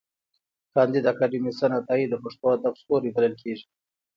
کانديد اکاډميسن عطايي د پښتو ادب ستوری بلل کېږي.